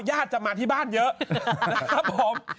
ญาติจะมาที่บ้านเยอะนะครับผม